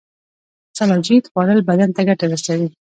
سلاجید خوړل بدن ته ګټه رسوي